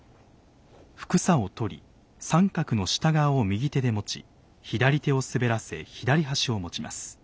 服紗を取り三角の下側を右手で持ち左手をすべらせ左端を持ちます。